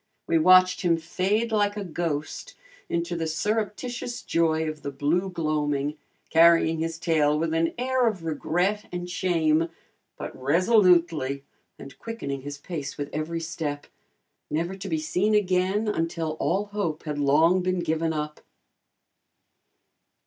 We watched him fade like a ghost into the surreptitious joy of the blue gloaming, carrying his tail with an air of regret and shame, but resolutely, and quickening his pace with every step, never to be seen again until all hope had long been given up.